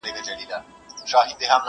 انارکلي اوښکي دي مه تویوه!.